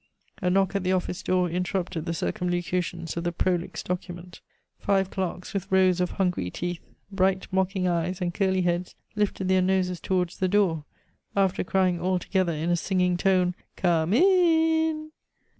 A knock at the office door interrupted the circumlocutions of the prolix document. Five clerks with rows of hungry teeth, bright, mocking eyes, and curly heads, lifted their noses towards the door, after crying all together in a singing tone, "Come in!"